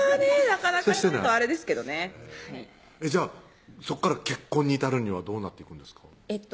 なかなかあれですけどねじゃあそこから結婚に至るにはどうなっていくんですか？